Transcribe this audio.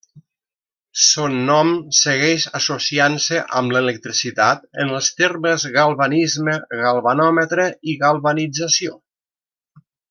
Son nom segueix associant-se amb l'electricitat en els termes galvanisme, galvanòmetre i galvanització.